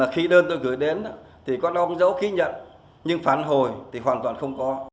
khi đơn tôi gửi đến con ông giấu khí nhận nhưng phản hồi hoàn toàn không có